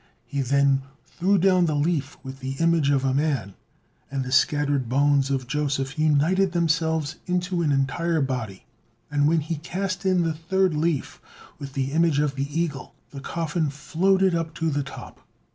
He then threw down the leaf with the image of man, and the scattered bones of Joseph united themselves into an entire body; and when he cast in the third leaf with the image of the eagle, the coffin floated up to the top.